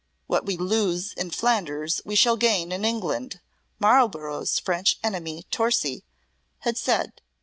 "What we lose in Flanders we shall gain in England," Marlborough's French enemy, Torcy, had said.